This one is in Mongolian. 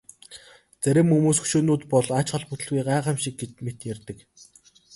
Зарим хүмүүс хөшөөнүүд бол ач холбогдолгүй гайхамшиг мэт ярьдаг.